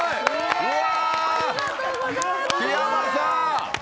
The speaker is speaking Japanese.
うわ！